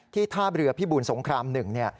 ที่ทาบเรือพี่บุญสงครามหนึ่ง